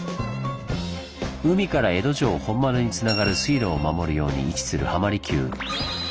海から江戸城本丸につながる水路を守るように位置する浜離宮。